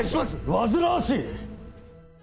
煩わしい！